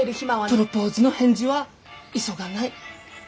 プロポーズの返事は急がない。